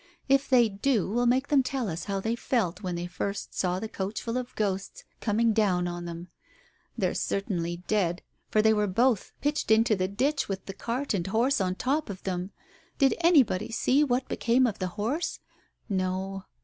If they do, we'll make them tell us how they felt, when they first saw the coachful of ghosts coming down on them. They're certainly dead, for they were both pitched into Digitized by Google THE COACH 143 the ditch with the cart and horse on top of them. Did anybody see what became of the horse ? No.